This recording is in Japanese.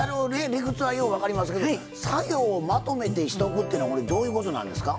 理屈はよう分かりますけど作業をまとめてしとくっていうのはこれどういうことなんですか？